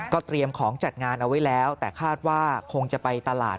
เตรียมของจัดงานเอาไว้แล้วแต่คาดว่าคงจะไปตลาด